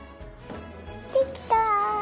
できた！